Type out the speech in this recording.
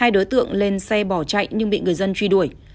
hai đối tượng lên xe bỏ chạy nhưng bị người dân truy đuổi